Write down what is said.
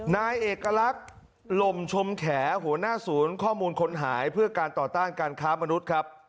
นายเอกลักษณ์ลมชมแขหัวหน้าศูนย์ข้อมูลคนหายเพื่อการต่อต้านการค้ามนุษย์ครับ